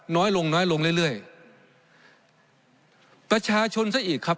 น้อยลงลงเรื่อยประชาชนซะอีกครับ